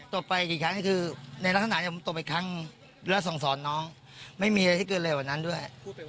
ตบไปกี่ครั้งก็คือในลักษณะที่ผมตบอีกครั้งและส่งสอนน้องไม่มีอะไรที่เกินเร็วกว่านั้นด้วย